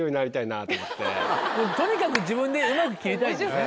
とにかく自分でうまく切りたいんですね。